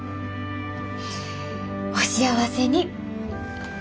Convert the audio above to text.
お幸せに。